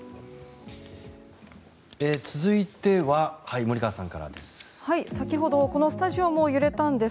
続いては森川さんからです。